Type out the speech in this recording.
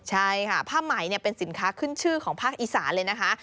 ใช่ค่ะผ้าไหมเป็นสินค้าขึ้นชื่อของภาคอีสานเลยนะคะ